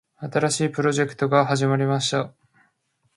新しいプロジェクトが始まりました。